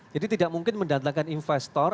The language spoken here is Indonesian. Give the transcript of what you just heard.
jadi tidak mungkin mendatangkan investor